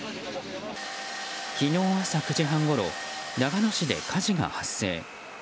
昨日朝９時半ごろ長野市で火事が発生。